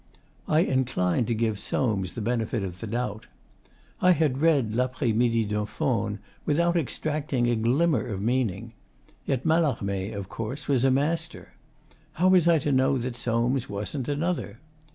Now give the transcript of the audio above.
I inclined to give Soames the benefit of the doubt. I had read 'L'Apres midi d'un Faune' without extracting a glimmer of meaning. Yet Mallarme of course was a Master. How was I to know that Soames wasn't another?